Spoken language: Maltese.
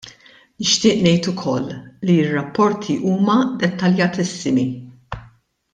Nixtieq ngħid ukoll li r-rapporti huma dettaljatissimi.